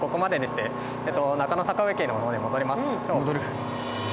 戻る。